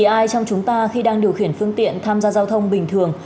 các kỳ ai trong chúng ta khi đang điều khiển phương tiện tham gia giao thông bình thường